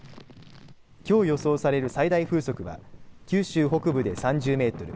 きょう予想される最大風速は九州北部で３０メートル